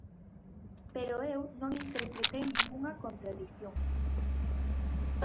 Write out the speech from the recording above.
Pero eu non interpretei ningunha contradición.